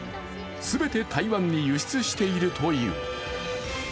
全て台湾に輸出しているという。